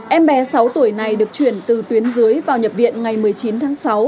em bé sáu tuổi này được chuyển từ tuyến dưới vào nhập viện ngày một mươi chín tháng sáu